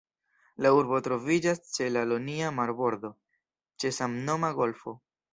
La urbo troviĝas ĉe la Ionia marbordo, ĉe samnoma golfo.